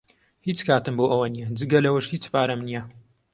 هیچ کاتم بۆ ئەوە نییە، جگە لەوەش، هیچ پارەم نییە.